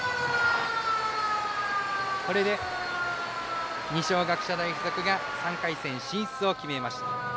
これで、二松学舎大付属が３回戦進出を決めました。